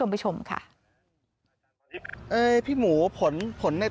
ทำให้พลิกคดีนี้ได้